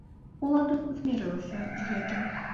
Улада б змірылася з гэтым.